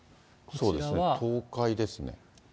そうですね、東海ですね。